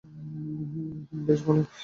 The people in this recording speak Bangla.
হুমম, বেশ ভালো।